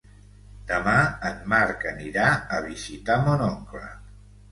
Demà en Marc anirà a visitar mon oncle.